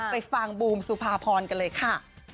ไปฟังบูมสุภาพรกันเลยค่ะ